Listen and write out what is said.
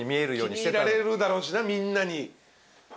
気に入られるだろうしなみんなに。